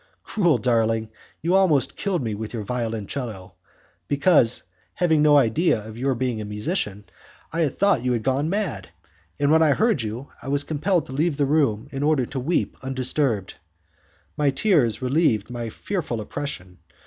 Cruel darling, you almost killed me with your violoncello, because, having no idea of your being a musician, I thought you had gone mad, and when I heard you I was compelled to leave the room in order to weep undisturbed. My tears relieved my fearful oppression.